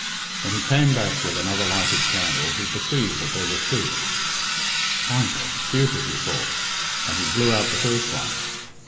When he came back with another lighted candle, he perceived that there were two. "I'm going stupid," he thought, and he blew out the first one.